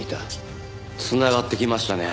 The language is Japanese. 繋がってきましたね。